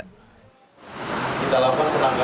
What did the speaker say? anggota jakarta barat